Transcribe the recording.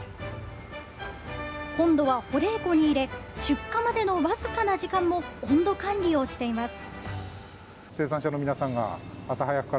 今度は保冷庫に入れ、出荷までの僅かな時間も温度管理をしています。